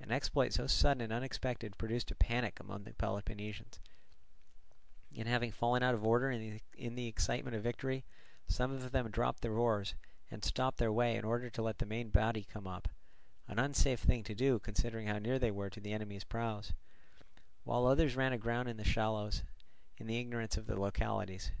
An exploit so sudden and unexpected produced a panic among the Peloponnesians; and having fallen out of order in the excitement of victory, some of them dropped their oars and stopped their way in order to let the main body come up—an unsafe thing to do considering how near they were to the enemy's prows; while others ran aground in the shallows, in their ignorance of the localities.